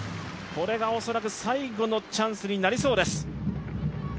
これが恐らく最後のチャンスになりそうです。